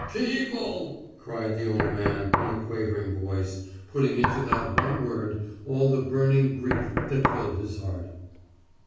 "Peo ple!" cried the old man in a quavering voice, putting into that one word all the burning grief that filled his heart.